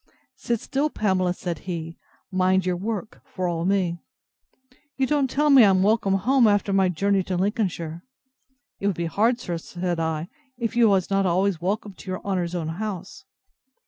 Sit still, Pamela, said he, mind your work, for all me.—You don't tell me I am welcome home, after my journey to Lincolnshire. It would be hard, sir, said I, if you was not always welcome to your honour's own house.